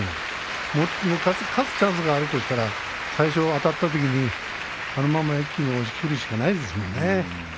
勝つチャンスがあるとしたら最初、あたったときにあのまま一気に押しきるしかないですよね。